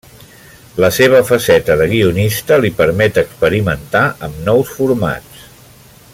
La seva faceta de guionista li permet experimentar amb nous formats.